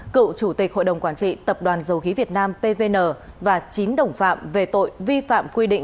cựu chủ tịch hội đồng quản trị tập đoàn dầu khí việt nam pvn và chín đồng phạm về tội vi phạm quy định